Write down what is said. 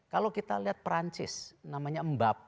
kalau kita lihat perancis namanya mbap